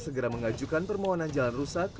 segera mengajukan permohonan jalan rusak